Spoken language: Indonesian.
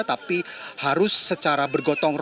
tapi harus secara bergotongan